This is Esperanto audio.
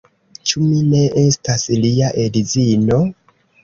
Ĉu mi ne estas lia edzino?